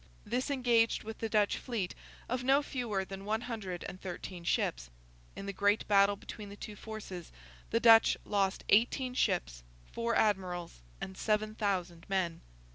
This engaged with the Dutch fleet, of no fewer than one hundred and thirteen ships. In the great battle between the two forces, the Dutch lost eighteen ships, four admirals, and seven thousand men.